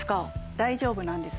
大丈夫なんです。